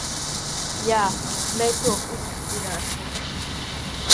Jā. Mēs to uzspridzināsim.